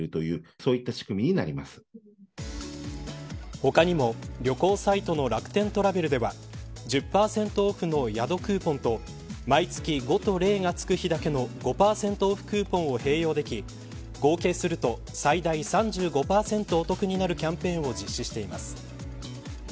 他にも旅行サイトの楽天トラベルでは１０％オフの宿クーポンと毎月５と０がつく日だけの５％オフクーポンを併用でき合計すると、最大３５％お得になるキャンペーンを実施しています。